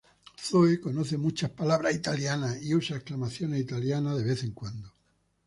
Zoe conoce muchas palabras italianas y usa exclamaciones italianas de vez en cuando.